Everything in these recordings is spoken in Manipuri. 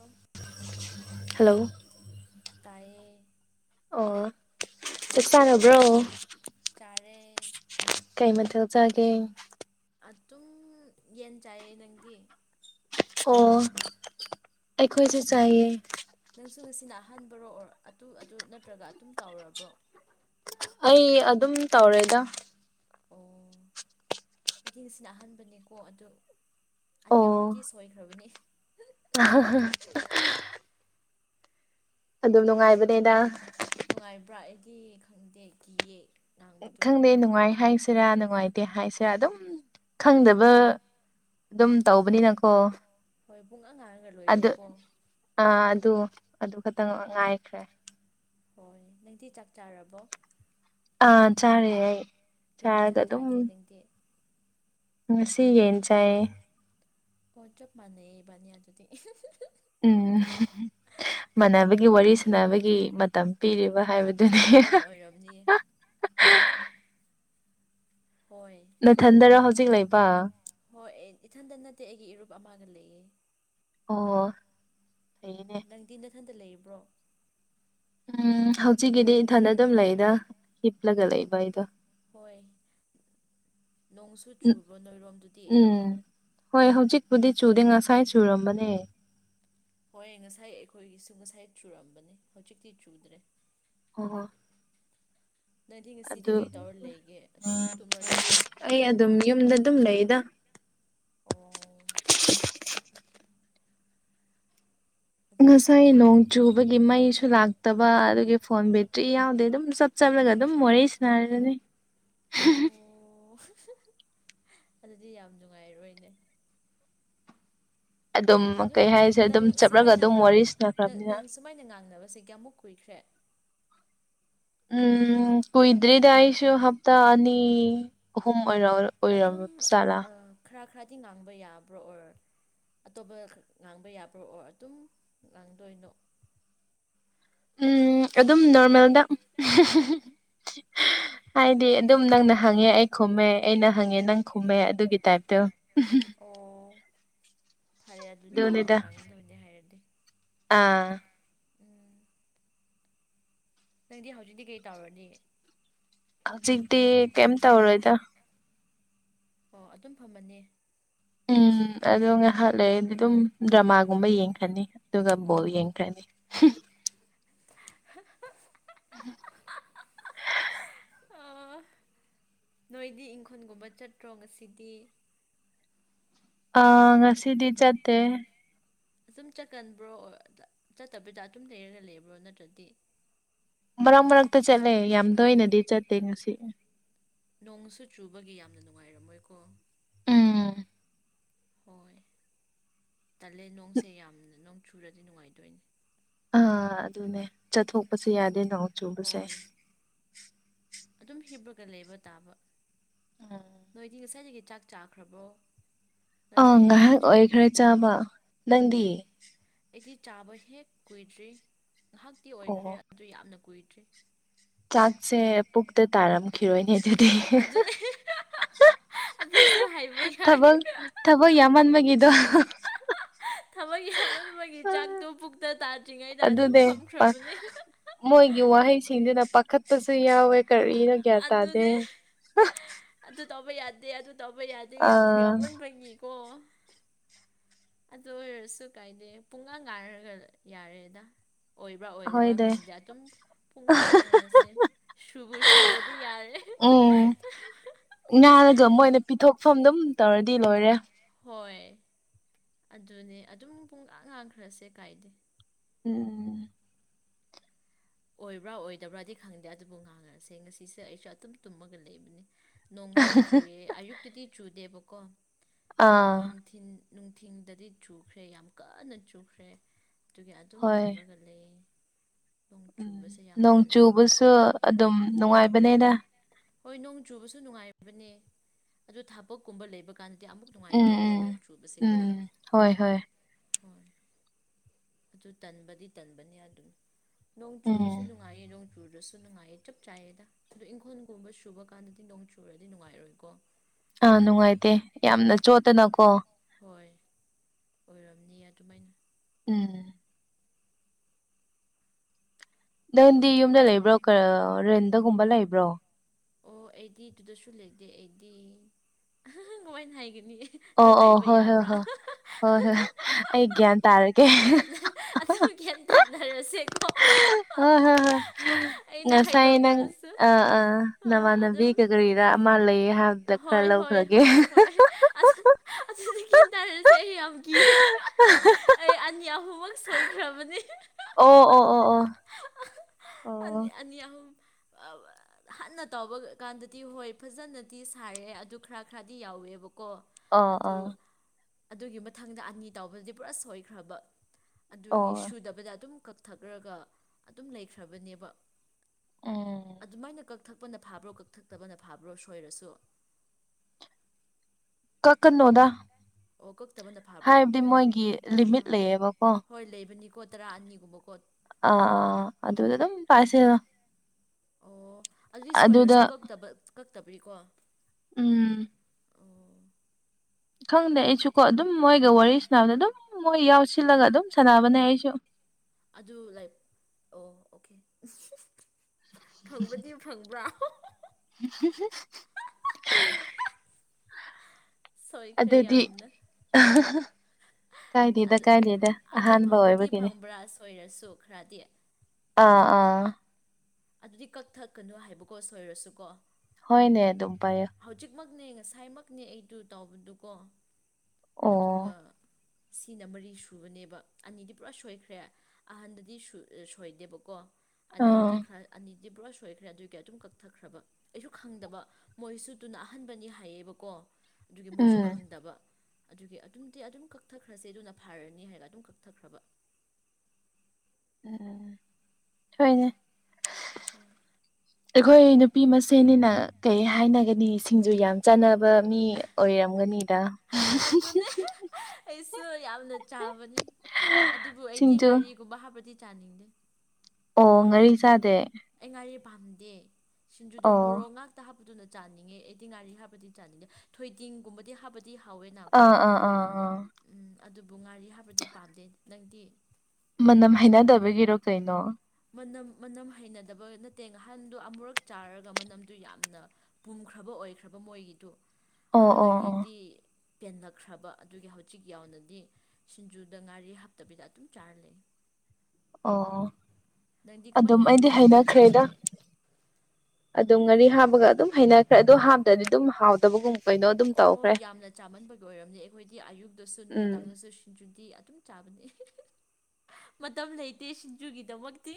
ꯑꯝ ꯍꯜꯂꯣ ꯇꯌꯦ ꯑꯣ ꯆꯞ ꯆꯥꯔꯕ꯭ꯔꯣ ꯆꯥꯔꯦ ꯀꯩꯃ ꯗꯧꯇꯒꯤ ꯑꯗꯨꯝ ꯌꯦꯟ ꯆꯥꯏꯌꯦ ꯅꯪꯗꯤ ꯑꯣ ꯑꯩꯈꯣꯏꯁꯨꯦ ꯆꯥꯏꯌꯦ ꯉꯁꯨ ꯉꯁꯤꯅ ꯑꯍꯟꯕꯔꯣ ꯑꯣꯔ ꯑꯗꯨ ꯑꯗꯨ ꯅꯠꯇ꯭ꯔꯒ ꯑꯗꯨꯝ ꯇꯧꯔꯕ꯭ꯔꯣ ꯑꯩ ꯑꯗꯨꯝ ꯇꯧꯔꯦꯗ ꯑꯣ ꯑꯩꯒꯤꯁꯤꯅ ꯑꯍꯥꯟꯕꯅꯦꯀꯣ ꯑꯗꯨ ꯑꯅꯤ ꯑꯍꯨꯝꯗꯤ ꯁꯣꯏꯈ꯭ꯔꯕꯅꯤ ꯑ ꯑꯗꯨꯝ ꯅꯨꯡꯉꯥꯏꯕꯅꯦꯗ ꯅꯨꯡꯉꯥꯏꯕ꯭ꯔꯥ ꯑꯩꯗꯤ ꯈꯪꯗꯦ ꯀꯤꯌꯦ ꯉꯥꯡꯕꯗꯨ ꯈꯪꯗꯦ ꯅꯨꯡꯉꯥꯏ ꯍꯥꯏꯁꯤꯔꯥ ꯅꯨꯡꯉꯥꯏꯇꯦ ꯍꯥꯏꯁꯤꯔꯥ ꯑꯗꯨꯝ ꯈꯪꯗꯕ ꯑꯗꯨꯝ ꯇꯧꯕꯅꯤꯅꯀꯣ ꯍꯣꯏ ꯄꯨꯡ ꯑꯉꯥꯡꯒ ꯑꯗꯨ ꯂꯣꯏꯔꯦꯀꯣ ꯑꯥ ꯑꯗꯨ ꯑꯗꯨ ꯈꯛꯇꯪ ꯉꯥꯏꯈ꯭ꯔꯦ ꯍꯣꯏ ꯅꯪꯗꯤ ꯆꯥꯛ ꯆꯥꯔꯕꯣ ꯑꯥ ꯆꯔꯦ ꯀꯔꯤ ꯌꯦꯟꯁꯥꯡ ꯆꯥꯒꯦ ꯅꯪꯗꯤ ꯁꯤ ꯌꯦꯟ ꯆꯌꯦ ꯄꯖꯞ ꯃꯥꯟꯅꯦꯕꯥꯅꯤꯌꯥ ꯑꯗꯨꯗꯤ ꯎꯝ ꯃꯥꯟꯅꯕꯒꯤ ꯋꯥꯔꯤ ꯁꯅꯕꯒꯤ ꯃꯇꯝ ꯄꯤꯔꯤꯕ ꯍꯥꯏꯕꯗꯨꯅꯤ ꯑꯗꯨꯅꯦ ꯑꯗꯨꯅ ꯑꯣꯏꯔꯝꯅꯤ ꯍꯣꯏ ꯅꯊꯟꯗꯔꯣ ꯍꯧꯖꯤꯛ ꯂꯩꯕ ꯍꯣꯏ ꯏꯊꯟꯇ ꯅꯠꯇꯦ ꯑꯩꯒꯤ ꯏꯔꯨꯞ ꯑꯃꯒ ꯂꯩꯌꯦ ꯑꯣ ꯍꯅꯦ ꯏꯊꯟꯗ ꯂꯩꯔꯤꯕ꯭ꯔꯣ ꯎꯝ ꯍꯧꯖꯤꯛꯀꯤꯗꯤ ꯏꯊꯟꯗ ꯑꯗꯨꯝ ꯂꯩꯗ ꯍꯤꯞꯂꯒ ꯂꯩꯕ ꯑꯩꯗꯣ ꯍꯣꯏ ꯅꯣꯡꯁꯨ ꯎꯝ ꯆꯨꯕ꯭ꯔꯣ ꯅꯣꯏꯔꯣꯝꯗꯨꯗꯤ ꯎꯝ ꯍꯣꯏ ꯍꯧꯖꯤꯛꯄꯨꯗꯤ ꯆꯨꯗꯦ ꯉꯁꯥꯏ ꯆꯨꯔꯝꯕꯅꯦ ꯍꯣꯏ ꯉꯁꯥꯏ ꯑꯩꯈꯣꯏꯒꯤꯁꯨ ꯉꯁꯥꯏ ꯆꯨꯔꯝꯕꯅꯦ ꯍꯧꯖꯤꯛꯇꯤ ꯆꯨꯗ꯭ꯔꯦ ꯑꯣ ꯍꯣ ꯅꯪꯗꯤ ꯉꯁꯤꯗꯤ ꯀꯩ ꯇꯧꯔ ꯂꯩꯒꯦ ꯑꯗꯨꯝ ꯇꯨꯝꯃ ꯂꯩꯕ꯭ꯔꯣ ꯑꯗꯨ ꯑꯗꯨꯝ ꯂꯩꯗ ꯎꯝ ꯑꯗꯨꯁꯨ ꯉꯁꯥꯏ ꯅꯣꯡ ꯅꯨꯡꯉꯥꯏꯅꯤ ꯆꯨꯕꯒꯤ ꯃꯩꯁꯨ ꯂꯥꯛꯇ ꯐꯠꯇꯕ ꯑꯗꯨꯒꯤ ꯐꯣꯟ ꯕꯦꯇ꯭ꯔꯤ ꯌꯥꯎꯗꯦ ꯑꯗꯨꯝ ꯆꯞ ꯆꯞꯂꯒ ꯑꯗꯨꯝ ꯃꯣꯔꯦ ꯁꯤꯟꯅꯔꯅꯤ ꯑꯣ ꯑꯗꯨꯗꯤ ꯌꯥꯝ ꯅꯨꯡꯉꯥꯏꯔꯣꯏꯅꯦ ꯑꯗꯨꯝ ꯀꯩ ꯍꯥꯏꯁꯦ ꯅꯪ ꯑꯗꯨꯝ ꯆꯠꯂꯒ ꯁꯨꯃꯥꯏꯅ ꯑꯗꯨꯝ ꯋꯥꯔꯤ ꯁꯅꯈ꯭ꯔꯕꯅꯤꯅ ꯃꯁꯤꯌꯥꯨꯛ ꯀꯨꯏꯈ꯭ꯔꯦ ꯎꯝ ꯀꯨꯏꯗꯔꯤꯗꯏꯁ ꯍꯥꯞꯇ ꯑꯅꯤ ꯍ ꯑꯣꯔ ꯑꯣꯏꯔꯝ ꯆꯂꯥ ꯗꯤ ꯉꯥꯡꯕ ꯌꯥꯕ꯭ꯔꯣ ꯑꯣꯏꯔ ꯑꯇꯣꯞꯄ ꯉꯥꯡꯕ ꯌꯥꯕ꯭ꯔꯣꯑꯣ ꯑꯗꯨꯝ ꯉꯥꯡꯗꯣꯏꯅꯣ ꯎꯝ ꯑꯗꯨꯝ ꯅꯣꯔꯃꯦꯜꯗ ꯍꯥꯏꯗꯤ ꯑꯗꯨꯝ ꯅꯪꯅ ꯍꯪꯉꯦ ꯑꯩ ꯈꯨꯝꯃꯦ ꯑꯩꯅ ꯍꯪꯉꯦ ꯅꯪ ꯈꯨꯝꯃꯦ ꯑꯗꯨꯒꯤ ꯇꯥꯏꯞꯇꯣ ꯑꯣ ꯐꯔꯦ ꯑꯗꯨꯗꯤ ꯑꯗꯨꯃꯅ ꯑꯗꯨꯅꯤꯗ ꯉꯥꯡꯅꯤꯡꯗꯕꯅꯤ ꯍꯥꯏꯔꯗꯤ ꯑꯥ ꯎꯝ ꯅꯪꯗꯤ ꯍꯧꯖꯤꯛꯇꯤ ꯀꯩ ꯇꯧꯔꯗꯤ ꯍꯧꯖꯤꯛꯗꯤ ꯀꯝ ꯇꯧꯔꯣꯏꯗ ꯑꯣ ꯑꯗꯨꯝ ꯐꯝꯃꯅꯤ ꯎꯝ ꯑꯣ ꯉꯥꯏꯍꯥꯛ ꯂꯩꯔꯗꯤ ꯑꯗꯨꯝ ꯗ꯭ꯔꯃꯥꯒꯨꯝꯕ ꯌꯦꯡꯈꯅꯤ ꯑꯗꯨꯒ ꯕꯣꯜ ꯌꯦꯡꯈ꯭ꯔꯅꯤ [unintelligible] [unintelligible] ꯎ ꯅꯣꯏꯗꯤ ꯏꯪꯈꯣꯜꯒꯨꯝꯕ ꯆꯠꯇ꯭ꯔꯣ ꯉꯁꯤꯗꯤ ꯑ ꯉꯁꯤꯗꯤ ꯆꯠꯇꯦ ꯑꯗꯨꯨꯝ ꯆꯠꯀꯟꯕ꯭ꯔꯣ ꯆꯠꯇꯕꯤꯗ ꯑꯗꯨꯝ ꯂꯩꯔꯒ ꯂꯩꯕ꯭ꯔꯣ ꯅꯠꯇ꯭ꯔꯗꯤ ꯃꯔꯛ ꯃꯔꯛꯇ ꯆꯠꯂꯦ ꯌꯥꯝ ꯇꯣꯏꯅꯗꯤ ꯆꯠꯇꯦ ꯉꯁꯤ ꯅꯣꯡꯁꯨ ꯆꯨꯕꯒꯤ ꯌꯥꯝꯅ ꯅꯨꯡꯉꯥꯏꯔꯝꯃꯣꯏꯀꯣ ꯎꯝ ꯍꯣꯏ ꯇꯜꯂꯦ ꯅꯣꯡꯁꯦ ꯌꯥꯝꯅ ꯅꯣꯡ ꯆꯨꯔꯗꯤ ꯅꯨꯡꯉꯥꯏꯗꯣꯏꯅꯦ ꯑꯥ ꯑꯗꯨꯅꯦ ꯆꯠꯊꯣꯛꯄꯁꯨ ꯌꯥꯗꯦ ꯅꯣꯡ ꯆꯨꯕꯁꯦ ꯍꯣꯏ ꯑꯗꯨꯝ ꯍꯤꯞꯄꯒ ꯂꯩꯕ ꯇꯥꯕ ꯎꯝ ꯅꯣꯏꯗꯤ ꯉꯁꯥꯏꯗꯒꯤ ꯆꯥꯛ ꯆꯥꯈ꯭ꯔꯕꯣ ꯑꯪ ꯅꯠꯇ꯭ꯔꯗꯤ ꯉꯥꯏꯍꯥꯛ ꯍꯧꯖꯤꯛ ꯑꯣꯏ ꯈꯔ ꯆꯥꯕ ꯑꯣ ꯅꯪꯗꯤ ꯑꯩꯗꯤ ꯆꯥꯕ ꯍꯦꯛ ꯀꯨꯏꯗ꯭ꯔꯤ ꯉꯥꯏꯍꯥꯛꯇꯤ ꯑꯣꯏꯈ꯭ꯔꯦ ꯑꯣ ꯑꯗꯨ ꯌꯥꯝꯅ ꯀꯨꯏꯗ꯭ꯔꯤ ꯆꯥꯛꯁꯦ ꯄꯨꯛꯇ ꯇꯥꯔꯝꯈꯤꯔꯣꯏꯅꯦ ꯑꯗꯨꯗꯤ ꯑꯖꯅꯦ ꯊꯕꯛ ꯊꯕꯛ ꯌꯥꯝꯃꯟꯕꯒꯤꯗꯣ ꯊꯕꯛ ꯍꯥꯃꯟꯕꯒꯤ ꯆꯥꯛꯇꯣ ꯄꯨꯛꯇ ꯇꯥꯗ ꯑꯗꯨꯅꯦ ꯃꯣꯏꯒꯤ ꯋꯥꯍꯩꯁꯤꯡꯗꯨꯅ ꯄꯥꯈꯠꯄꯁꯨ ꯌꯥꯎꯋꯦ ꯀꯔꯤꯔꯒꯦ ꯇꯥꯗꯦ ꯇꯕꯥꯩ ꯌꯥꯗꯩ ꯑ ꯑꯗꯨꯨ ꯇꯕꯥꯩ ꯌꯥꯗ ꯌꯥ ꯌꯥꯝ ꯑꯥ ꯌꯥꯎꯃꯅꯤ ꯕꯅꯤ [unintelligible] ꯑꯗꯨ ꯑꯣꯏꯔꯁꯨ ꯀꯥꯏꯗꯦ ꯄꯨꯡꯒ ꯉꯥꯏꯅꯔꯒ ꯌꯥꯔꯦꯗ ꯑꯣꯏꯕ꯭ꯔꯥ ꯑꯣꯏꯗꯕ꯭ꯔꯥ ꯍꯣꯏꯅꯦ ꯈꯪꯗꯦ ꯑꯗꯨꯝ ꯄꯨꯡꯒꯥꯡ ꯉꯥꯡꯉꯁꯦ ꯁꯨꯕ ꯁꯨꯔꯗꯤ ꯌꯥꯔꯦ ꯎꯝ ꯐꯣꯝ ꯑꯗꯨꯝ ꯇꯧꯔꯗꯤ ꯂꯣꯏꯔꯦ ꯍꯣꯏ ꯑꯗꯨꯅꯦ ꯑꯗꯨꯝ ꯄꯨꯡꯀ ꯉꯥꯡꯈ꯭ꯔꯁꯦ ꯀꯥꯏꯗꯦ ꯎꯝ ꯑꯣꯏꯕ꯭ꯔꯥ ꯑꯣꯏꯗꯕ꯭ꯔꯥꯗꯤ ꯈꯪꯗꯦ ꯑꯗꯨꯕꯨ ꯉꯥꯡꯅꯔꯁꯦ ꯉꯁꯤꯁꯦ ꯑꯩꯁꯨ ꯑꯗꯨꯝ ꯇꯨꯝꯃꯒ ꯂꯩꯕꯅꯤ ꯅꯣꯡꯁꯨ ꯆꯨꯑꯦ ꯑꯌꯨꯛꯇꯗꯤ ꯆꯨꯗꯦꯕꯀꯣ ꯑꯗꯨ ꯑꯥ ꯅꯨꯡꯊꯤꯟ ꯅꯨꯡꯊꯤꯟꯗꯗꯤ ꯆꯨꯈ꯭ꯔꯦ ꯌꯥꯝ ꯀꯟꯅ ꯆꯨꯈ꯭ꯔꯦ ꯑꯗꯨꯒꯤ ꯑꯗꯨꯝ ꯍꯣꯏ ꯐꯝꯔꯒ ꯂꯩꯌꯦ ꯅꯣꯡ ꯎꯝ ꯆꯨꯕꯁꯦ ꯌꯥꯝ ꯅꯣꯡ ꯇꯜꯂꯦ ꯆꯨꯕꯁꯨ ꯑꯗꯨꯝ ꯅꯨꯡꯉꯥꯏꯕꯅꯦꯅ ꯍꯣꯏ ꯅꯣꯡ ꯆꯨꯕꯁꯨ ꯅꯨꯡꯉꯥꯏꯕꯅꯦ ꯑꯗꯨ ꯊꯥꯕꯛꯀꯨꯝꯕ ꯂꯩꯕ ꯀꯥꯟꯗꯗꯤ ꯑꯃꯨꯛ ꯎꯝ ꯅꯨꯡꯉꯥꯏꯇꯦꯀꯣ ꯎꯝ ꯅꯣꯡ ꯆꯨꯕꯁꯦꯀꯣ ꯎꯝ ꯍꯣꯏ ꯍꯣꯏ ꯍꯣꯏ ꯑꯗꯨ ꯇꯟꯕꯗꯤ ꯇꯟꯕꯅꯤ ꯑꯗꯨꯅꯤ ꯅꯣꯡ ꯆꯨꯕꯁꯨ ꯎꯝ ꯅꯨꯡꯉꯥꯏꯌꯦ ꯅꯣꯡ ꯆꯨꯔꯁꯨ ꯅꯨꯡꯉꯥꯏꯌꯦ ꯆꯞ ꯆꯥꯏꯑꯌꯦꯗ ꯑꯗꯨꯗꯣ ꯏꯪꯈꯣꯜꯒꯨꯝꯕ ꯁꯨꯕ ꯀꯥꯟꯗꯗꯤ ꯅꯣꯡ ꯆꯨꯔꯗꯤ ꯅꯨꯡꯉꯥꯏꯔꯣꯏꯀꯣ ꯑꯥ ꯅꯨꯡꯉꯥꯏꯇꯦ ꯌꯥꯝꯅ ꯆꯣꯠꯇꯅꯀꯣ ꯍꯣꯏ ꯑꯣꯏꯔꯝꯅꯤ ꯑꯗꯨꯃꯥꯏꯅ ꯎꯝ ꯅꯦꯟꯗꯤ ꯌꯨꯝꯗ ꯂꯩꯕ꯭ꯔꯣ ꯔꯦꯟꯗꯒꯨꯝꯕ ꯂꯩꯕ꯭ꯔꯣ ꯑꯣ ꯑꯩꯗꯤ ꯑꯗꯨꯗꯁꯨ ꯂꯩꯇꯦ ꯑꯩꯗꯤꯥꯏꯅ ꯍꯥꯏꯒꯅꯤ ꯑꯣ ꯑꯗꯨ ꯑꯣ ꯍꯥꯏꯕ ꯍꯣꯏ ꯍꯣꯏ ꯌꯥꯕ꯭ꯔꯥ ꯍꯣꯏ ꯍꯣꯏ ꯍꯣꯏ ꯑꯩ ꯒ꯭ꯌꯥꯟ ꯇꯥꯔꯒꯦ ꯅꯪ ꯑꯗꯨꯝ ꯈꯤꯟ ꯊꯥꯅꯔꯁꯦꯀꯣ [inaudible] [inaudible] ꯉꯁꯥꯏ ꯅꯪ ꯑ ꯑꯥ ꯑꯥ ꯅꯃꯥꯟꯅꯕꯤ ꯑꯗꯨꯝ ꯀ ꯀꯔꯤꯔꯥ ꯑꯃ ꯂꯩ ꯍꯥꯏꯕꯗ ꯈꯔ ꯂꯧ ꯍꯣꯏ ꯍꯣꯏ ꯍꯣꯏ ꯑ ꯦꯟ ꯇꯥꯔꯁꯦ ꯑꯩ ꯌꯥꯝ ꯀꯤꯌꯦ ꯑꯩ ꯍꯨꯝꯃꯛ ꯁꯣꯏꯈ꯭ꯔꯕꯅꯤ ꯑꯣ ꯑꯣ ꯑꯣ [inaudible] ꯑꯅꯤ ꯑꯍꯨꯝ ꯍꯟꯅ ꯇꯧꯕ ꯀꯥꯟꯗꯗꯤ ꯍꯣꯏ ꯐꯖꯅꯗꯤ ꯁꯥꯏ ꯔꯦ ꯑꯗꯨ ꯈꯔ ꯈꯔꯗꯤ ꯌꯥꯎꯋꯦꯕꯀ ꯀꯣ ꯑꯣ ꯑꯗꯨ ꯑꯣ ꯑꯣ ꯑꯗꯨꯒꯤ ꯃꯊꯪꯗ ꯑꯅꯤ ꯇꯥꯎꯕꯗꯨꯗꯤ ꯄꯨꯔꯥ ꯁꯣꯏꯈ꯭ꯔꯕ ꯑꯣ ꯑꯗꯨꯒꯤ ꯁꯨꯗꯕꯗ ꯑꯗꯨꯝ ꯀꯛꯊꯛꯈ꯭ꯔꯒ ꯑꯗꯨꯝ ꯂꯩꯈ꯭ꯔꯕꯅꯦꯕ ꯎꯝ ꯑꯗꯨꯃꯥꯏꯅ ꯀꯛꯊꯛꯄꯅ ꯐꯥꯕ꯭ꯔꯣ ꯀꯛꯊꯛꯇꯕꯅ ꯐꯥꯕ꯭ꯔꯣ ꯁꯣꯏꯔꯁꯨ [inaudible] ꯀꯛꯀꯅꯣꯗ ꯑꯣ ꯀꯛꯇꯕꯅ ꯐꯕ꯭ꯔꯣ ꯍꯥꯏꯕꯗꯤ ꯃꯣꯏꯒꯤ ꯂꯤꯃꯤꯠ ꯂꯩꯌꯦꯕꯀꯣ ꯀꯣ ꯇ꯭ꯔꯥꯅꯤꯨꯝꯕꯀꯣ ꯑ ꯑꯥ ꯑꯗꯨ ꯑꯗꯨꯝ ꯄꯥꯏꯁ ꯑꯣ ꯑꯗꯨꯗꯤ ꯁꯣꯏꯔꯁꯨ ꯀꯛꯇꯕꯔꯤꯀꯣ ꯎꯝ ꯎ ꯈꯪꯗꯦ ꯑꯩꯁꯨ ꯀꯣ ꯑꯗꯨꯝ ꯃꯣꯏꯒ ꯋꯥꯔꯤ ꯁꯅꯕꯗ ꯑꯗꯨꯝ ꯃꯣꯏ ꯌꯥꯎꯁꯤꯜꯂꯒ ꯑꯗꯨꯝ ꯁꯥꯟꯅꯕꯅꯦ ꯑꯩꯁꯨ ꯑꯗꯨ ꯂꯥꯏ ꯑꯣ ꯑꯣꯦ ꯐꯛꯄꯗꯤ ꯐꯪꯛꯕ꯭ꯔꯥ [inaudible] ꯁꯣꯏꯈ꯭ꯔꯦ ꯑꯗꯨꯗꯤ ꯌꯥꯝꯅ ꯀꯥꯏꯗꯦꯗ ꯑꯗꯨ ꯀꯥꯏꯗꯦꯗ ꯑꯍꯥꯟꯕ ꯑꯣꯏꯕꯒꯤꯅꯤ ꯆꯣꯈ꯭ꯔꯗꯤꯦ ꯑꯥ ꯑꯥ ꯑꯗꯨꯗꯤ ꯀꯛ ꯊꯛꯀꯅꯨ ꯍꯥꯏꯕꯀꯣ ꯁꯣꯏꯔꯁꯨ ꯀꯣ ꯍꯣꯏꯅꯦ ꯑꯗꯨꯝ ꯄꯥꯏꯦ ꯛꯅꯦ ꯉꯁꯥꯏꯃꯛꯅꯦ ꯑꯩꯗꯨ ꯇꯥꯎꯕꯗꯨꯀꯣ ꯑꯣ ꯑꯗꯨꯒ ꯁꯤꯅ ꯃꯔꯤ ꯁꯨꯕꯅꯦꯕ ꯑꯅꯤꯗꯤ ꯄꯨꯔꯥ ꯁꯣꯏꯈ꯭ꯔꯦ ꯑꯍꯟꯗꯗꯤ ꯁꯣꯏꯗꯦꯕꯀꯣ ꯑꯥ ꯑꯅꯤꯗꯨꯗꯤ ꯈꯔ ꯑꯅꯤꯗꯨꯗꯤ ꯕꯣꯔꯥ ꯁꯣꯏꯈ꯭ꯔꯦ ꯑꯗꯨꯏ ꯀ ꯑꯗꯨꯝ ꯀꯛꯊꯈ꯭ꯔꯕ ꯑꯩꯁꯨ ꯈꯪꯗꯕ ꯃꯣꯏꯁꯨ ꯇꯨꯅ ꯑꯍꯟꯕꯅꯤ ꯍꯥꯏꯌꯦꯕꯀꯣ ꯑꯗꯨꯒꯤ ꯃꯣꯏꯁꯨ ꯎꯝ ꯈꯪꯗꯕ ꯑꯗꯨꯒꯤ ꯑꯗꯨꯝꯗꯤ ꯑꯗꯨꯝ ꯀꯛꯊꯈ꯭ꯔꯁꯦ ꯑꯗꯨꯅ ꯐꯔꯅꯤ ꯍꯥꯏꯔꯒ ꯑꯗꯨꯝ ꯀꯛꯊꯈ꯭ꯔꯕ ꯎ ꯍꯣꯏꯅꯦ ꯑꯣꯝ ꯑꯩꯈꯣꯏ ꯅꯨꯄꯤ ꯃꯁꯦꯟꯅꯤꯅ ꯀꯩ ꯍꯥꯏꯅꯒꯅꯤ ꯁꯤꯡꯖꯨ ꯌꯥꯝ ꯆꯥꯟꯅꯕ ꯃꯤ ꯑꯣꯏꯔꯕ ꯃꯒꯅꯤꯗ ꯑꯗꯨꯅꯦ ꯑꯩꯁꯨ ꯌꯥꯝꯅ ꯆꯥꯕꯅꯤ ꯑꯗꯨꯕꯨ ꯑꯩꯗꯤ ꯁꯤꯡꯖꯨ ꯉꯥꯔꯤꯒꯨꯝꯕ ꯍꯥꯞꯄꯗꯤ ꯆꯥꯅꯤꯡꯗꯦ ꯑꯣ ꯉꯥꯔꯤ ꯆꯥꯗꯦ ꯑꯩ ꯉꯥꯔꯤꯦ ꯄꯥꯝꯗꯦ ꯁꯤꯡꯖꯨꯗꯣ ꯑꯣ ꯃꯣꯔꯣꯛ ꯉꯥꯛꯇ ꯍꯥꯞꯄꯗꯨ ꯅꯠꯇ ꯆꯥꯅꯤꯡꯉꯦ ꯑꯦꯗꯤ ꯉꯥꯔꯤ ꯍꯥꯏꯕꯗꯤ ꯆꯥꯅꯤꯡꯉꯦ ꯊꯣꯏꯗꯤꯡꯒꯨꯝꯕꯗꯤ ꯍꯥꯏꯕꯗꯤ ꯗꯤ ꯍꯥꯎꯋꯦꯅꯀꯣ ꯑꯥ ꯑꯥ ꯑꯥ ꯑꯥ ꯎꯝ ꯑꯗꯨꯕꯨ ꯉꯥꯔꯤ ꯍꯥꯏꯕꯗꯤ ꯄꯥꯝꯗꯦ ꯅꯪꯗꯤ ꯃꯅꯝ ꯍꯥꯏꯅꯗꯕꯒꯤꯔꯣ ꯀꯩꯅꯣ ꯃꯅꯝ ꯃꯅꯝ ꯍꯩꯅꯗꯕ ꯅꯠꯇꯦ ꯉꯍꯥꯟꯗꯨꯣ ꯑꯃꯨꯔꯛ ꯆꯥꯔꯒ ꯃꯅꯝꯗꯨ ꯌꯥꯝꯅ ꯄꯨꯝꯈ꯭ꯔꯕ ꯑꯣꯏꯈ꯭ꯔꯕ ꯃꯣꯏꯒꯤꯗꯣ ꯑꯣ ꯑꯣ ꯑꯣ ꯑꯗꯨꯗꯒꯤꯗꯤ ꯄꯦꯟꯂꯛꯈ꯭ꯔꯕ ꯑꯗꯨꯒꯤ ꯍꯧꯖꯤꯛ ꯌꯥꯎꯅꯗꯤ ꯁꯤꯡꯖꯨꯗ ꯉꯥꯔꯤ ꯍꯥꯞꯇꯕꯤꯗ ꯑꯗꯨꯝ ꯆꯥꯔ ꯂꯩ ꯑꯣ ꯅꯪꯗꯤ ꯑꯗꯨꯝ ꯀꯃꯥꯏꯅ ꯆꯥꯅꯤꯒꯦ ꯑ ꯉꯥꯔꯤ ꯍꯥꯞꯄꯒ ꯑꯗꯨꯝ ꯍꯩꯅꯈ꯭ꯔꯦ ꯑꯗꯣ ꯍꯥꯞꯗꯗꯤ ꯑꯗꯨꯝ ꯍꯥꯎꯗꯕꯒꯨꯝ ꯀꯩꯅꯣ ꯑꯗꯨꯝ ꯇꯧ꯭ꯔ ꯍꯣꯏ ꯌꯥꯝꯅ ꯆꯥꯃꯟꯕꯒꯤ ꯑꯣꯏꯔꯝꯅꯤ ꯑꯩꯈꯣꯏꯗꯤ ꯑꯌꯨꯛꯇꯁꯨ ꯎꯝ ꯅꯨꯃꯤꯗꯥꯡꯗꯁꯨ ꯁꯤꯡꯖꯨꯗꯤ ꯑꯗꯨꯝ ꯆꯥꯕꯅꯤ ꯃꯇꯝ ꯂꯩꯇꯦ ꯁꯤꯡꯖꯨꯒꯤ ꯗꯃꯛꯗꯤ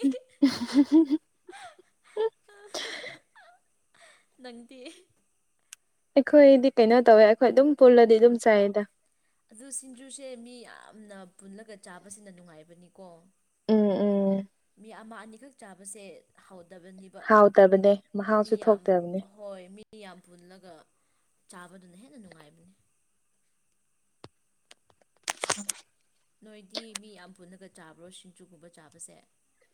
ꯅꯪꯗꯤ ꯑꯩꯈꯣꯏꯗꯤ ꯀꯩꯅꯣ ꯇꯧꯋꯦ ꯑꯩꯈꯣꯏ ꯑꯗꯨꯝ ꯄꯨꯜꯂꯗꯤ ꯑꯗꯨꯝ ꯆꯥꯏꯗ ꯑꯗꯨ ꯁꯤꯡꯖꯨꯁꯦ ꯃꯤ ꯌꯥꯝꯅ ꯄꯨꯜꯂꯒ ꯆꯥꯕꯁꯤꯅ ꯅꯨꯡꯉꯥꯏꯕꯅꯤꯀꯣ ꯎꯝ ꯎꯝ ꯃꯤ ꯑꯃ ꯑꯅꯤꯈꯛ ꯆꯥꯕꯁꯦ ꯍ ꯍꯥꯎꯇꯕꯅꯦ ꯃꯍꯥꯎꯁꯨ ꯌꯥꯝ ꯊꯣꯛꯇꯕꯅꯦ ꯍꯣꯏ ꯃꯤ ꯌꯥꯝ ꯄꯨꯜꯂꯒ ꯆꯥꯕꯗꯨꯅ ꯍꯦꯟꯅ ꯅꯨꯡꯉꯥꯏꯕꯅꯤ ꯅꯣꯏꯗꯤ ꯃꯤ ꯌꯥꯝ ꯄꯨꯟꯅꯒ ꯆꯥꯕ꯭ꯔꯣ ꯁꯤꯡꯖꯨꯒꯨꯝꯕ ꯆꯥꯕꯁꯦ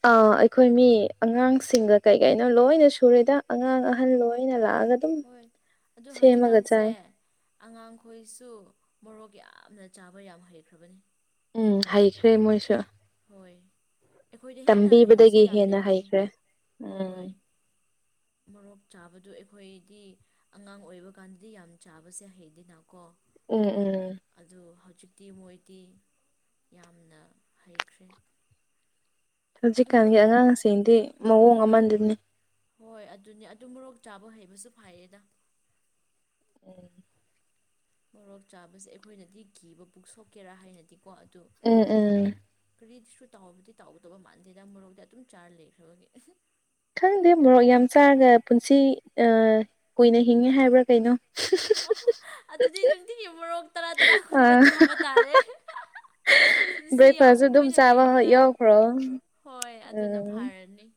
ꯑꯥ ꯑꯩꯈꯣꯏ ꯃꯤ ꯑꯉꯥꯡꯁꯤꯡꯒ ꯀꯩ ꯀꯩꯅꯣ ꯂꯣꯏꯅ ꯁꯨꯔꯦꯗ ꯑꯉꯥꯡ ꯑꯍꯟ ꯂꯣꯏꯅ ꯂꯥꯛꯑꯒ ꯑꯗꯨꯝ ꯍꯣꯏ ꯑꯗꯨ ꯁꯦꯝꯃꯒ ꯍꯧꯖꯤꯛꯀꯥꯟꯁꯦ ꯆꯥꯏ ꯑꯉꯥꯡꯈꯣꯏꯁꯨ ꯃꯣꯔꯣꯛ ꯌꯥꯝꯅ ꯆꯥꯕ ꯌꯥꯝ ꯍꯩꯈ꯭ꯔꯕꯅꯤ ꯎꯝ ꯍꯩꯈ꯭ꯔꯦ ꯃꯣꯏꯁꯨ ꯍꯣꯏ ꯑꯩꯈꯣꯏꯗ ꯍꯦꯟꯅ ꯍꯩꯕꯁꯨ ꯇꯝꯕꯤꯕꯗꯒꯤ ꯌꯥꯝ ꯍꯦꯟꯅ ꯂꯩꯕꯅꯦ ꯍꯩꯈ꯭ꯔꯦ ꯍꯣꯏ ꯎꯝ ꯍꯣꯏ ꯃꯣꯔꯣꯛ ꯆꯥꯕꯗꯨ ꯑꯩꯈꯣꯏꯗꯤ ꯑꯉꯥꯡ ꯑꯣꯏꯕ ꯀꯥꯟꯗꯗꯤ ꯌꯥꯝ ꯆꯥꯕꯁꯦ ꯍꯩꯗꯤ ꯅꯥ ꯎꯝ ꯎꯝ ꯍꯧꯖꯤꯛꯇꯤ ꯃꯣꯏꯗꯤ ꯌꯥꯝꯅ ꯍꯩꯈ꯭ꯔꯦ ꯑꯗꯨ ꯍꯧꯖꯤꯛꯀꯥꯟꯒꯤ ꯃꯣꯔꯣꯛ ꯑꯉꯥꯡꯁꯤꯡꯗꯤ ꯃꯑꯣꯡ ꯑꯃꯗꯨꯅꯤ ꯍꯣꯏ ꯑꯗꯨꯅꯦ ꯑꯗꯨ ꯃꯣꯔꯣꯛ ꯆꯥꯕ ꯍꯩꯕꯁꯨ ꯐꯔꯦꯗ ꯎꯝ ꯃꯣꯔꯣꯛ ꯆꯥꯕꯁꯦ ꯑꯩꯈꯣꯏꯅꯗꯤ ꯀꯤꯕ ꯄꯨꯛꯁꯣꯛꯀꯦꯔꯥ ꯍꯥꯏꯅꯗꯤ ꯀꯣ ꯑꯗꯨ ꯎꯝ ꯎꯝ ꯇꯥꯎꯕꯗꯤ ꯇꯥꯎꯗꯧꯕ ꯃꯥꯟꯗꯦꯗ ꯃꯨꯔꯣꯛꯗꯤ ꯑꯗꯨꯝ ꯆꯥꯔ ꯂꯩꯈ꯭ꯔꯕꯒꯤ ꯈꯪꯗꯦ ꯃꯣꯔꯣꯛ ꯌꯥꯝ ꯆꯥꯔꯒ ꯄꯨꯟꯁꯤ ꯀꯨꯏꯅ ꯍꯤꯡꯉꯦ ꯍꯥꯏꯕ꯭ꯔꯥ ꯀꯩꯅꯣ ꯑꯣꯣ ꯑꯗꯨꯗꯤ ꯅꯨꯡꯇꯤꯒꯤ ꯃꯣꯔꯣꯛ ꯇꯔꯥ ꯇꯔꯥꯒꯨꯝꯕ ꯑꯥ ꯆꯥꯕ ꯇꯥꯔꯦ ꯄꯨꯟꯁꯤ ꯌꯥꯝ ꯕ꯭ꯔꯦꯛꯐꯥꯁꯁꯨ ꯑꯗꯨꯝ ꯀꯨꯏꯅ ꯆꯥꯕ ꯂꯩꯅꯤꯡꯉꯥꯏ ꯌꯥꯎꯈ꯭ꯔꯣ ꯍꯣꯏ ꯑꯗꯨꯅ ꯎꯝ ꯐꯔꯅꯤ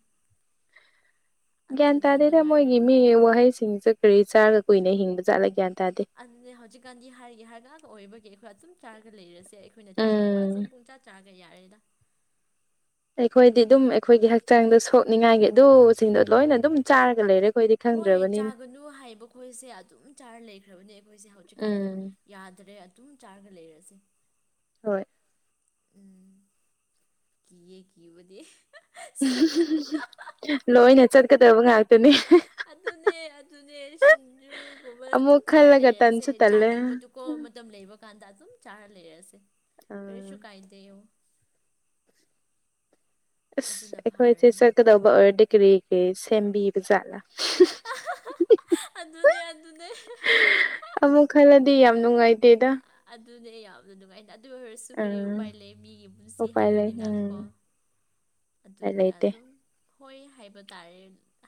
ꯒ꯭ꯌꯥꯟ ꯑꯗꯨꯅ ꯇꯥꯗꯦꯗ ꯃꯣꯏꯒꯤ ꯅꯨꯡꯉꯥꯏꯔꯅꯤ ꯃꯤ ꯋꯥꯍꯩꯁꯤꯡꯁꯦ ꯀꯔꯤ ꯆꯥꯔꯒ ꯀꯨꯏꯅ ꯍꯤꯡꯕꯖꯥꯠꯂꯦ ꯒ꯭ꯌꯥꯟ ꯇꯥꯗꯦ ꯑꯗꯨꯅꯦ ꯍꯧꯖꯤꯛꯀꯥꯟꯗꯤ ꯍꯥꯏꯔꯤꯒꯦ ꯍꯥꯏꯔꯒꯒ ꯑꯣꯏꯕꯒꯤ ꯑꯩꯈꯣꯏ ꯑꯗꯨꯝ ꯆꯥꯔꯒ ꯂꯩꯔꯁꯤꯦ ꯁꯦ ꯑꯩꯈꯣꯏꯅ ꯆꯥꯅꯤꯡꯕ ꯑꯁꯨꯝ ꯎꯝ ꯄꯨꯡ ꯆꯥ ꯆꯥꯒ ꯌꯥꯔꯦꯗ ꯑꯩꯈꯣꯏꯗꯤ ꯑꯗꯨꯝ ꯑꯩꯈꯣꯏꯒꯤ ꯍꯛꯆꯥꯡꯗ ꯁꯣꯛꯅꯤꯡꯉꯥꯏꯒꯤ ꯑꯗꯨꯁꯤꯡꯗꯣ ꯂꯣꯏꯅ ꯑꯗꯨꯝ ꯆꯥꯔꯒ ꯂꯩꯔꯦ ꯑꯩꯈꯣꯏꯗꯤ ꯍꯣꯏ ꯈꯪꯗ꯭ꯔꯕꯅꯤꯅ ꯆꯥꯒꯅꯨ ꯍꯥꯏꯕ ꯈꯣꯏꯁꯦ ꯑꯗꯨꯝ ꯆꯥꯔ ꯂꯩꯈ꯭ꯔꯕꯅꯦ ꯑꯩꯈꯣꯏꯁꯦ ꯍꯧꯖꯤꯛꯀꯥꯟꯗꯤ ꯎꯝ ꯌꯥꯗ꯭ꯔꯦ ꯑꯗꯨꯝ ꯆꯥꯔꯒ ꯂꯩꯔꯁꯤ ꯍꯣꯏ ꯎꯝ ꯀꯤꯌꯦ ꯀꯤꯋꯗꯤ ꯂꯣꯏꯅ ꯆꯠꯀꯗꯕ ꯉꯥꯛꯇꯅꯤ ꯑꯗꯨꯅꯦ ꯑꯗꯨꯅꯦ ꯁꯤꯡꯖꯨꯒꯨꯝꯕ ꯑꯗꯨꯝ ꯑꯃꯨꯛ ꯆꯥꯔ ꯈꯜꯂꯒ ꯂꯩꯔꯦꯁꯦ ꯇꯟꯁꯨ ꯇꯜꯂꯦ ꯆꯥꯅꯤꯡꯕꯗꯨꯀꯣ ꯃꯇꯝ ꯂꯩ ꯕꯀꯥꯟꯗ ꯑꯗꯨ ꯆꯥꯔ ꯂꯩꯔꯁꯦ ꯎꯝ ꯀꯔꯤꯁꯨ ꯀꯥꯏꯗꯦ ꯑꯁ ꯑꯗꯨꯅ ꯑꯩꯈꯣꯏꯁꯦ ꯐꯔꯅꯤ ꯆꯠꯀꯗꯧꯕ ꯑꯣꯏꯔꯗꯤ ꯀꯔꯤ ꯀꯔꯤ ꯁꯦꯝꯕꯤꯕ ꯖꯥꯠꯂꯥ ꯑꯗꯨꯅꯦ ꯑꯗꯨꯅꯦ [unintelligible] ꯑꯃꯨꯛ ꯈꯜꯂꯗꯤ ꯌꯥꯝ ꯅꯨꯡꯉꯥꯏꯇꯦꯗ ꯑꯗꯨꯗꯤ ꯑꯩ ꯌꯥꯕꯗꯣ ꯑꯗꯨꯉꯥꯏꯅ ꯑꯗꯨ ꯑꯣꯏꯔꯁꯨ ꯀꯔꯤ ꯎꯝ ꯎꯄꯥꯏ ꯂꯩ ꯃꯤꯒꯤ ꯄꯨꯟꯁꯤ ꯎꯄꯥꯏ ꯂꯩ ꯍꯥꯏꯕꯅꯤꯅ ꯎꯝ ꯀꯣ ꯎꯄꯥꯏ ꯑꯗꯨꯅꯦ ꯂꯩꯇꯦ ꯑꯗꯨꯝ ꯍꯣꯏ ꯍꯥꯏꯕ ꯇꯥꯔꯦ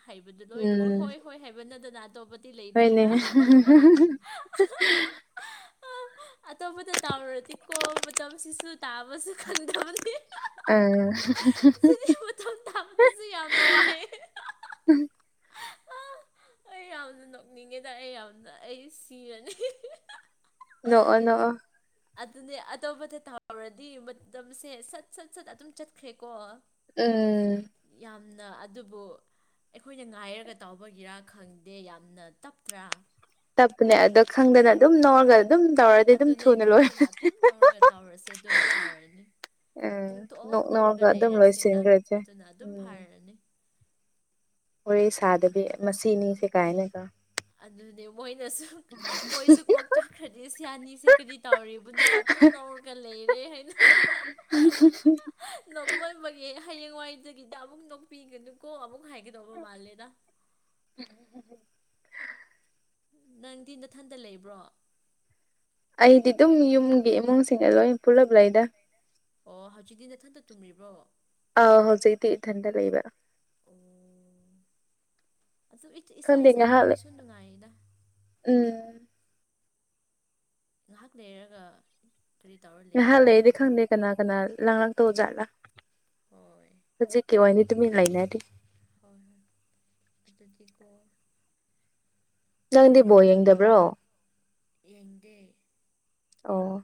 ꯍꯩꯕꯗꯨ ꯂꯣꯏꯅꯃꯛ ꯎꯝ ꯍꯣꯏ ꯍꯣꯏ ꯍꯥꯏꯕ ꯅꯗꯅ ꯑꯇꯣꯞꯄꯗꯤ ꯍꯣꯏꯅꯦ ꯂꯩꯇ꯭ꯔꯦꯅ [inaudible] ꯑꯇꯣꯞꯄꯗ ꯇꯥꯎꯔꯗꯤꯀꯣ ꯃꯇꯝꯁꯤꯁꯨ ꯇꯥꯕꯁꯨ ꯈꯟꯗꯕꯅꯤ ꯑ ꯃꯇꯝ ꯇꯥꯕꯗꯁꯨ ꯌꯥꯝꯅ ꯋꯥꯏ [unintelligible] ꯎꯝ ꯑꯩ ꯌꯥꯝꯅ ꯅꯣꯛꯅꯤꯡꯉꯦꯗ ꯑꯩ ꯌꯥꯝꯅ ꯑꯩ ꯁꯤꯔꯅꯤ ꯅꯣ ꯅꯣ ꯑꯗꯨꯅꯦ ꯑꯇꯣꯞꯄꯗ ꯇꯥꯎꯔꯗꯤ ꯃꯇꯝꯁꯦ ꯁꯠ ꯁꯠ ꯁꯠ ꯑꯗꯨꯝ ꯆꯠꯈ꯭ꯔꯦꯀꯣ ꯎꯝ ꯅ ꯑꯗꯨꯕꯨ ꯑꯩꯈꯣꯏꯅ ꯉꯥꯏꯔꯒ ꯇꯥꯎꯕꯒꯤꯔꯥ ꯈꯪꯗꯦ ꯌꯥꯝꯅ ꯇꯞꯇ꯭ꯔꯥ ꯇꯞꯄꯅꯦ ꯑꯗꯣ ꯈꯪꯗꯅ ꯑꯗꯨꯝ ꯅꯧꯔꯒ ꯑꯗꯨꯅꯦ ꯈꯪꯗꯅ ꯑꯗꯨꯝ ꯂꯧꯔꯒ ꯇꯧꯔꯁꯦ ꯑꯗꯨꯅ ꯐꯔꯅꯤ ꯎꯝ ꯅꯣꯛ ꯄꯨꯡꯊꯣꯛꯑ ꯅꯧꯔꯒ ꯅꯣꯛꯔꯒ ꯑꯗꯨꯝ ꯂꯩꯔꯁꯦꯗ ꯂꯣꯏꯁꯤꯟꯈ꯭ꯔꯁꯦ ꯑꯗꯨꯅ ꯑꯗꯨꯝ ꯐꯔꯅꯤ ꯍꯣꯔꯦ ꯁꯥꯗꯕꯤ ꯑꯗꯨꯅꯤ ꯃꯁꯤꯅꯤꯁꯦ ꯀꯥꯏꯅꯀ ꯑꯗꯨꯅꯦ ꯃꯣꯏꯅꯁꯨ ꯃꯣꯏꯁꯨ ꯀꯣꯛ ꯆꯥꯛꯈ꯭ꯔꯗꯤ ꯁꯤꯌꯥꯅꯤꯁꯦ ꯀꯔꯤ ꯇꯧꯔꯤꯕꯅꯣ ꯑꯗꯨꯝ ꯅꯧꯔꯒ ꯂꯩꯔꯦ ꯍꯥꯏꯅ ꯅꯣꯡꯃꯣꯟꯕꯒꯤ ꯍꯌꯦꯡꯋꯥꯏꯗꯒꯤꯗ ꯑꯃꯨꯛ ꯅꯣꯛꯄꯤꯒꯅꯨꯀꯣ ꯑꯃꯨꯛ ꯍꯥꯏꯒꯗꯧꯕ ꯃꯥꯜꯂꯦꯗ [inaudible] ꯅꯪꯗꯤ ꯅꯊꯟꯗ ꯂꯩꯕ꯭ꯔꯣ ꯑꯩꯗꯤ ꯑꯗꯨꯝ ꯌꯨꯝꯒꯤ ꯏꯃꯨꯡꯁꯤꯡꯗ ꯂꯣꯏ ꯄꯨꯜꯂꯞ ꯂꯩꯗ ꯑꯣ ꯍꯧꯖꯤꯛꯇꯤ ꯅꯊꯟꯇ ꯇꯨꯝꯔꯤꯕ꯭ꯔꯣ ꯑꯥ ꯍꯧꯖꯤꯛꯇꯤ ꯏꯊꯟꯇ ꯂꯩꯕ꯭ꯔ ꯑꯣ ꯑꯗꯨ ꯏꯁꯥ ꯏꯁꯥ ꯇꯨꯝꯕꯁꯨ ꯅꯨꯡꯉꯥꯏꯌꯦꯗ ꯎꯝ ꯉꯥꯏꯍꯥꯛ ꯂꯩꯔꯒ ꯀꯔꯤ ꯇꯧꯔ ꯂꯩꯅꯤ ꯉꯥꯏꯍꯥꯛ ꯂꯩꯔꯗꯤ ꯈꯪꯗꯦ ꯀꯅꯥ ꯀꯅꯥ ꯂꯥꯡꯂꯥꯡꯛꯇꯧ ꯖꯥꯠꯂꯥ ꯍꯣꯏ ꯍꯧꯖꯤꯛ ꯀ ꯋꯥꯅꯤ ꯇꯨꯃꯤ ꯂꯩꯅꯗꯤ ꯍꯣꯏ ꯍꯣꯏ ꯑꯗꯨ ꯆꯀꯣ ꯅꯪꯗꯤꯕꯣ ꯌꯦꯡꯗꯕ꯭ꯔꯣ ꯑꯦꯟꯗ ꯑꯣ